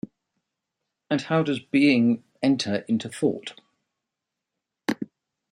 And how does being enter into thought?